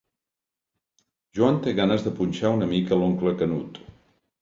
Joan té ganes de punxar una mica l'oncle Canut.